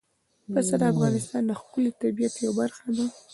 پسه د افغانستان د ښکلي طبیعت یوه برخه ده.